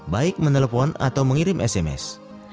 baik menelpon atau mengirim sms